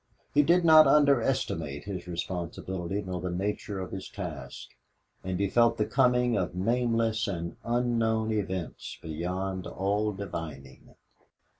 He did not underestimate his responsibility nor the nature of his task, and he felt the coming of nameless and unknown events beyond all divining.